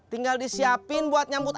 tinggal disiapin buat nyambut